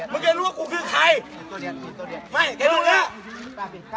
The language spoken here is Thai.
พ่อหนูเป็นใคร